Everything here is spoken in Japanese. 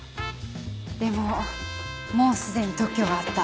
でももう既に特許があった。